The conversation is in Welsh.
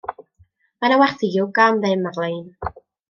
Mae 'na wersi yoga am ddim ar-lein.